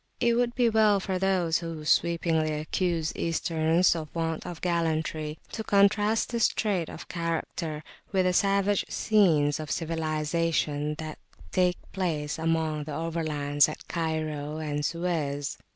It would be well for those who sweepingly accuse Easterns of want of gallantry, to contrast this trait of character with the savage scenes of civilisation that take place among the "Overlands" at Cairo and Suez.